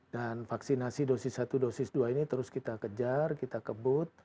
dan vaksinasi dosis satu dosis dua ini terus kita kejar kita kebut